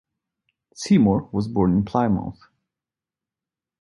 Seymour was born in Plymouth.